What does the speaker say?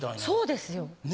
そうですよ。